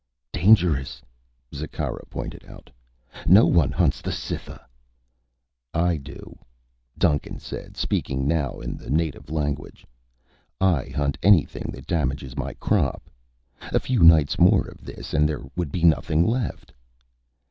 "Dangerous," Zikkara pointed out. "No one hunts the Cytha." "I do," Duncan said, speaking now in the native language. "I hunt anything that damages my crop. A few nights more of this and there would be nothing left."